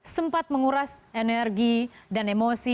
sempat menguras energi dan emosi